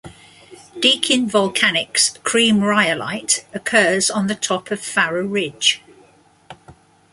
Deakin Volcanics cream rhyolite occurs on the top of Farrer Ridge.